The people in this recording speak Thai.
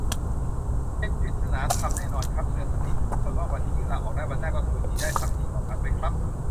เป็นปริศนาธรรมแน่นอนครับ เตือนสติทุกคนว่าวันนี้ยื่นลาออกได้ วันหน้าก็คืนดีได้ ทำดีต่อกันไว้ครับ